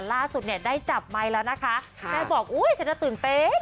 ล่าสุดเนี่ยได้จับไมค์แล้วนะคะแม่บอกอุ้ยฉันจะตื่นเต้น